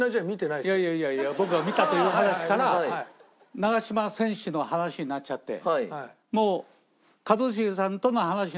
いやいやいやいや僕が見たという話から長嶋選手の話になっちゃってもう。